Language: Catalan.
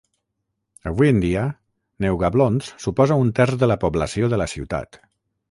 Avui en dia, Neugablonz suposa un terç de la població de la ciutat.